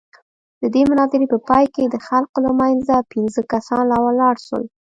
د دې مناظرې په پاى کښې د خلقو له منځه پينځه کسان راولاړ سول.